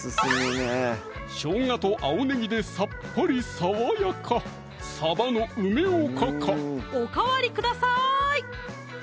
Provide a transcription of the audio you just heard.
しょうがと青ねぎでさっぱり爽やかおかわりください！